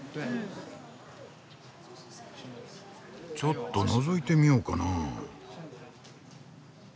ちょっとのぞいてみようかなあ。